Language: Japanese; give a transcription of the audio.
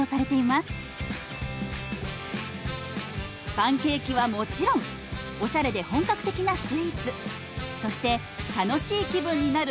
パンケーキはもちろんおしゃれで本格的なスイーツそして楽しい気分になる